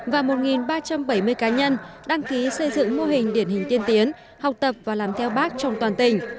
và một ba trăm bảy mươi cá nhân đăng ký xây dựng mô hình điển hình tiên tiến học tập và làm theo bác trong toàn tỉnh